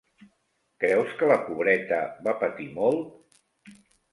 Creus que la pobreta va patir molt?